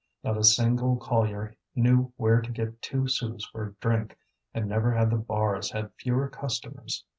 Not a single collier knew where to get two sous for a drink, and never had the bars had fewer customers.